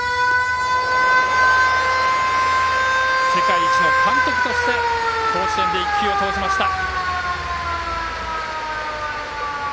世界一の監督として甲子園で１球を投じました。